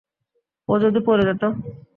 ও যদি পড়ে যেত?